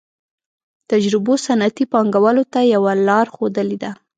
تجربو صنعتي پانګوالو ته یوه لار ښودلې ده